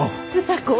歌子。